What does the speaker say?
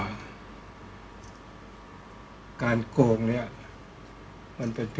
ก็ต้องทำอย่างที่บอกว่าช่องคุณวิชากำลังทำอยู่นั่นนะครับ